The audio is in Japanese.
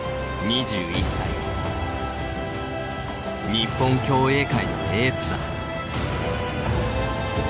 日本競泳界のエースだ。